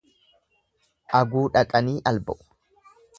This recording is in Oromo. Aguu dhaqanii alba'u.